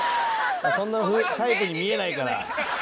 そんなタイプに見えないから。